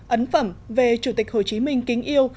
ấn phẩm về chủ tịch hồ chí minh kính yêu